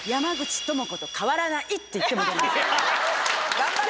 頑張れ。